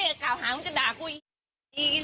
เอาก็เขาแบบอยากแกล้ง